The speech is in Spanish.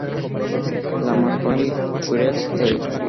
La Marconi Wireless Tel.